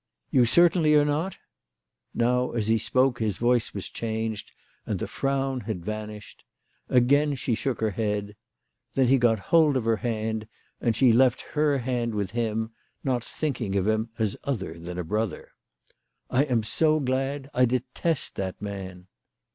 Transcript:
" You certainly are not ?" Now as he spoke his voice was changed, and the frown had vanished. Again she shook her head. Then he got hold of her hand, and she left her hand with him, not thinking of him as other than a brother. " I am so glad. I detest that man."